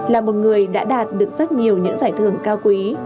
là một người đã đạt được rất nhiều những giải thưởng cao quý